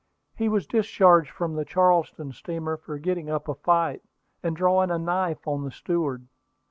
"He was discharged from the Charleston steamer for getting up a fight, and drawing a knife on the steward.